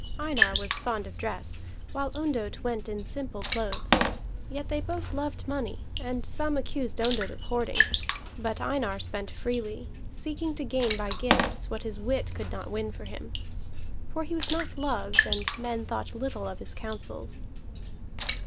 Einar was fond of dress, while Ondott went in simple clothes; yet they both loved money, and some accused Ondott of hoarding, but Einar spent freely, seeking to gain by gifts what his wit could not win for him. For he was not loved, and men thought little of his counsels.